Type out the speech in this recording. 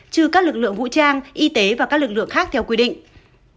trừ các lực lượng vũ trang y tế và các lực lượng khác theo quy định